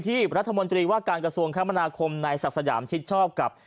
รัฐมนตรีว่าการกระทรวงคมนาคมในศักดิ์สยามชิดชอบกับ